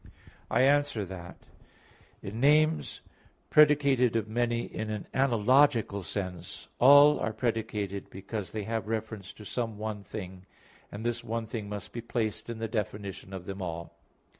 I answer that, In names predicated of many in an analogical sense, all are predicated because they have reference to some one thing; and this one thing must be placed in the definition of them all.